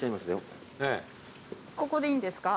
ここでいいんですよ。